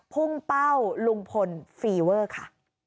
พุ่งเป้าลุงพลฟีเวอร์ค่ะ